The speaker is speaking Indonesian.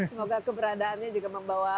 semoga keberadaannya juga membawa